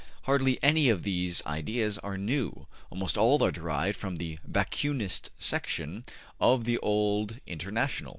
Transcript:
Hardly any of these ideas are new; almost all are derived from the Bakunist section of the old International.